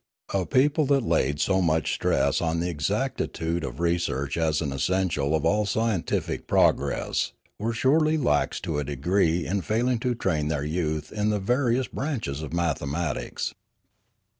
A people that laid so much stress on exactitude of 270 Limanora research as an essential of all scientific progress were surely lax to a degree in failing to train their youth in the various branches of mathematics.